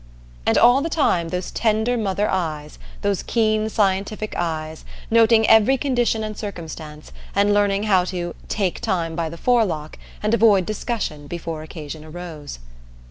And all the time those tender mother eyes, those keen scientific eyes, noting every condition and circumstance, and learning how to "take time by the forelock" and avoid discussion before occasion arose.